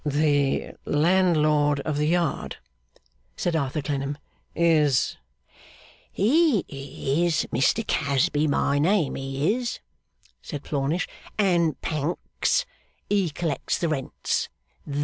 'The landlord of the Yard,' said Arthur Clennam, 'is ' 'He is Mr Casby, by name, he is,' said Plornish, 'and Pancks, he collects the rents.